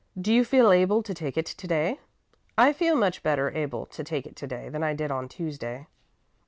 "Do you feel able to take it to day?" "I feel much better able to take it to day than I did on Tuesday."